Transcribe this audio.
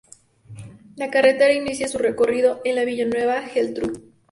La carretera inicia su recorrido en la de Villanueva y Geltrú.